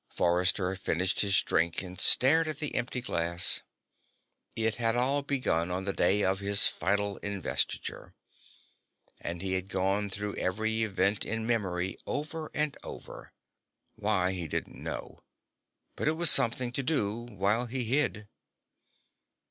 Forrester finished his drink and stared at the empty glass. It had all begun on the day of his Final Investiture, and he had gone through every event in memory, over and over. Why, he didn't know. But it was something to do while he hid.